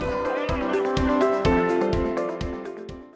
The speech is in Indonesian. pertama kali di pantai kute